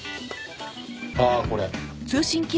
ああこれ。